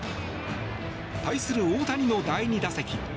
対する大谷の第２打席。